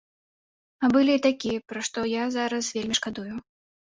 А былі і такія, пра што я зараз вельмі шкадую.